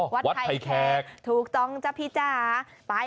วัดไพแคกถูกต้องจ้าพี่จ้าวัดไพแคก